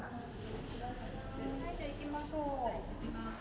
はいじゃあ行きましょう。